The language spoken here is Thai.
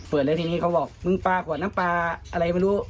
แล้วทีนี้เขาบอกมึงปลาขวดน้ำปลาอะไรไม่รู้